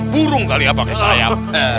burung kali ya pakai sayap